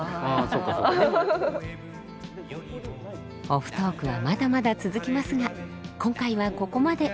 オフトークはまだまだ続きますが今回はここまで。